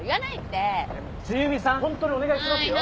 ホントにお願いしますよ。